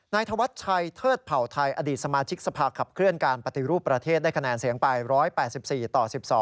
ธวัชชัยเทิดเผ่าไทยอดีตสมาชิกสภาขับเคลื่อนการปฏิรูปประเทศได้คะแนนเสียงไป๑๘๔ต่อ๑๒